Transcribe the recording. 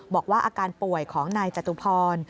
บอกว่าอาการป่วยของนายจตุพร